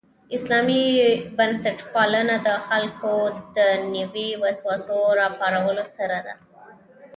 اسلامي بنسټپالنه د خلکو دنیوي وسوسو راپارولو سره ده.